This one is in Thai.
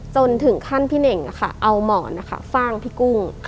จนถึงขั้นพี่เน่งเอาหมอนฟ่างพี่กุ้ง